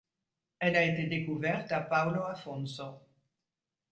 Elle a été découverte à Paulo Afonso.